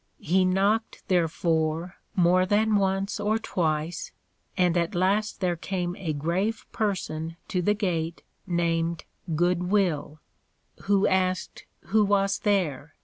_ He knocked therefore more than once or twice, and at last there came a grave person to the gate named Good will, who asked Who was there?